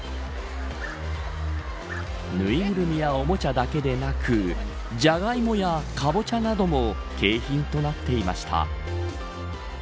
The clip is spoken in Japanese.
ぬいぐるみやおもちゃだけでなくジャガイモやカボチャなども景品となっていました。